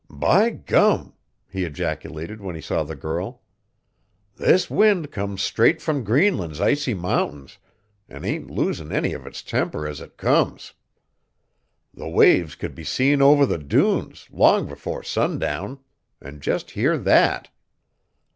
"By gum!" he ejaculated when he saw the girl. "This wind comes straight frum Greenland's icy mountains, an' ain't losin' any of its temper as it comes. The waves could be seen over the dunes, long 'fore sundown; an' jest hear that."